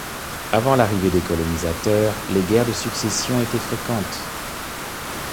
Avant l'arrivée des colonisateurs, les guerres de succession étaient fréquentes.